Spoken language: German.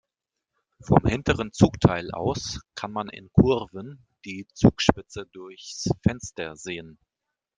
Vom hinteren Zugteil aus kann man in Kurven die Zugspitze durchs Fenster sehen.